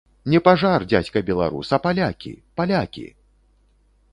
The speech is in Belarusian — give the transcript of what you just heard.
Не пажар, дзядзька беларус, а палякі, палякі!